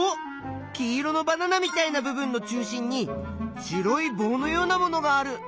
黄色のバナナみたいな部分の中心に白いぼうのようなものがある。